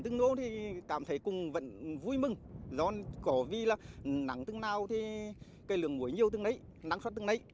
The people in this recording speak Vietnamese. nói chung là nắng tương nào thì cây lường muối nhiều tương đấy nắng suất tương đấy